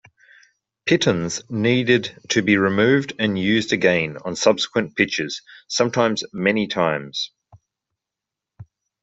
Pitons needed to be removed and used again on subsequent pitches, sometimes many times.